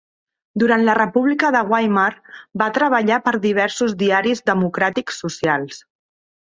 Durant la República de Weimar, va treballar per a diversos diaris democràtics socials.